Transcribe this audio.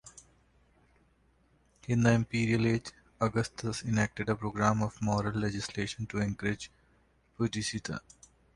In the Imperial age, Augustus enacted a program of moral legislation to encourage "pudicitia".